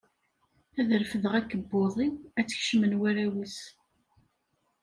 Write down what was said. Ad refdeɣ akebbuḍ-iw, ad tt-kecmen warraw-is.